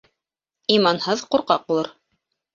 Иманһыҙ ҡурҡаҡ булыр.